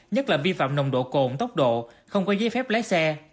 nhất là vi phạm nồng độ cồn tốc độ không có giấy phép lái xe